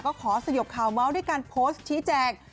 ก็ขอสยบข่าวเมาส์ด้วยการโพสต์ชี้แจง